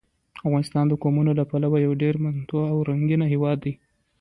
افغانستان د قومونه له پلوه یو ډېر متنوع او رنګین هېواد دی.